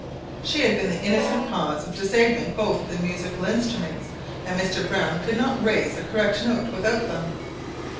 She had been the innocent cause of disabling both the musical instruments, and Mr. Browne could not raise a correct note without them.